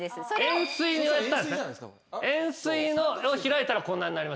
円すいを開いたらこんなんなりますよ。